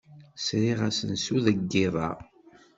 Sriɣ asensu deg yiḍ-a.